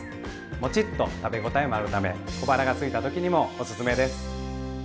もちっと食べ応えもあるため小腹がすいた時にもおすすめです。